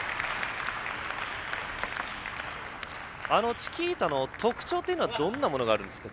チキータの特徴というのはどんなものがあるんですか。